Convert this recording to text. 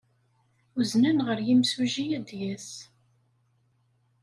Uznen ɣer yimsujji ad d-yas.